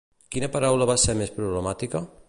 Quina paraula va ser més problemàtica?